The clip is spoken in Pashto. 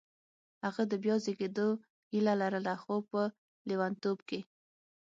هغه د بیا زېږېدو هیله لرله خو په لېونتوب کې